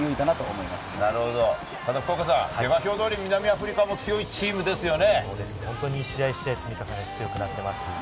ただ福岡さん、下馬評通り南アフリカも強いチームですよね。